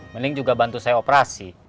mending juga bantu saya operasi